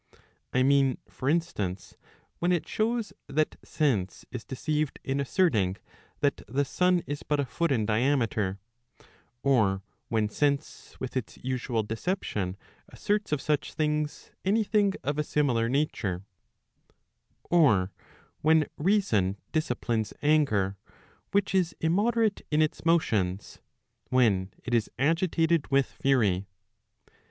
1 mean for instance, when it shows that sense is deceived in asserting that the sun is but a foot in diameter, or when sense with its usual deception asserts of such things any thing of a similar nature: or when reason disciplines anger,' which is immoderate in its motions, when it is agitated with fury.